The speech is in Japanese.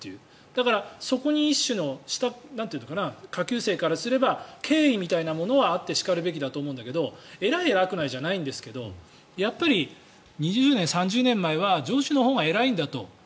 だから、そこに一種の下級生からすれば敬意みたいなものはあってしかるべしだと思うんだけど偉い、偉くないじゃないんですがやっぱり２０年、３０年前は上司のほうが偉いんだと。